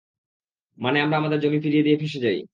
মানে আমরা আমাদের জমি ফিরিয়ে দিয়ে ফেঁসে যাই।